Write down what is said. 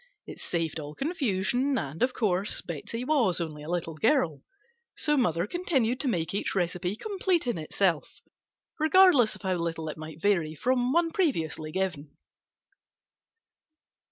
It saved all confusion, and, of course, Betsey was only a little girl, so mother continued to make each recipe complete in itself, regardless of how little it might vary from one previously given.